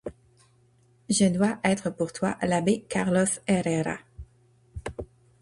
Je dois être pour toi l’abbé Carlos Herrera.